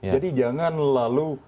jadi jangan lalu